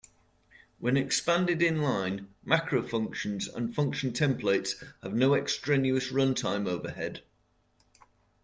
When expanded inline, macro functions and function templates have no extraneous runtime overhead.